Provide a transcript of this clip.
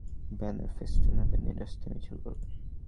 Banner, festoon হাতে নিয়ে রাস্তায় মিছিল করবে?